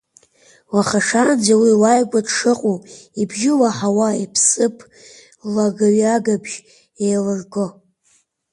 Уаха шаанӡа уи лааигәа дшыҟоу, ибжьы лаҳауа, иԥсыԥ лагаҩагабжь еиллырго…